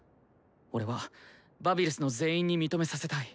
俺はバビルスの全員に認めさせたい。